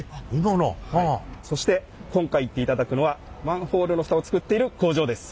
そして今回行っていただくのはマンホールの蓋を作っている工場です。